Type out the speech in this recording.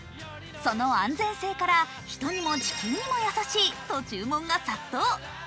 その安全性から人にも地球にも優しいと注文が殺到。